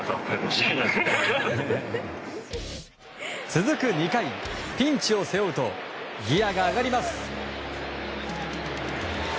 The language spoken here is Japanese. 続く２回ピンチを背負うとギアが上がります。